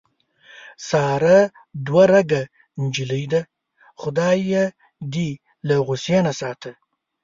ساره دوه رګه نجیلۍ ده. خدای یې دې له غوسې نه ساته.